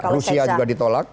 rusia juga ditolak